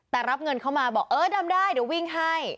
แต่รับเงินเข้ามาบอกเออทำได้เดี๋ยววิ่งให้